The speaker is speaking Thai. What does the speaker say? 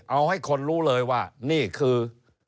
เอาให้คนรู้เลยว่านี่คือ